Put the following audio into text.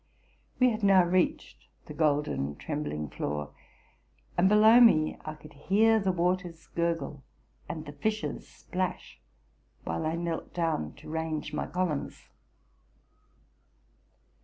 '"? We had now reached the golden, trembling floor; and below me I could hear the waters curgle and the fishes splash, while I knelt down to range my columns.